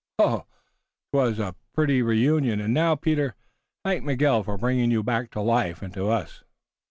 Oh, 'twas a pretty reunion! And now, Peter, thank Miguel for bringing you back to life and to us."